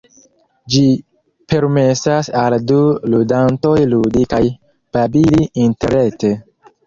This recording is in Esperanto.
Ĝi permesas al du ludantoj ludi kaj babili interrete.